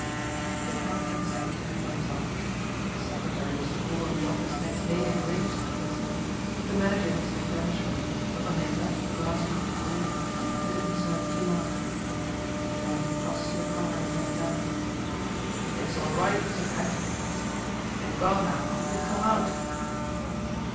The count and the secretary went off. The secretary was to call at the office next day and arrange things. The manager was deferential, but when they had left the glass roofed hall he permitted himself to laugh. Then he crossed to the car and bent down. "It's all right, Mr. Trent," he said, "they've gone now; you can come out."